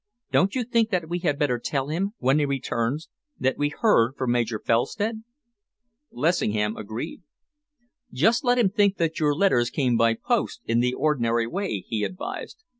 Don't you think that we had better tell him, when he returns, that we had heard from Major Felstead?" Lessingham agreed. "Just let him think that your letters came by post in the ordinary way," he advised.